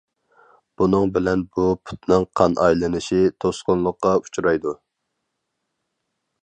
بۇنىڭ بىلەن بۇ پۇتنىڭ قان ئايلىنىشى توسقۇنلۇققا ئۇچرايدۇ.